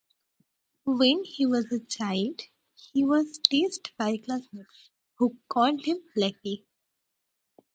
When he was a child, he was teased by classmates, who called him "Blackie".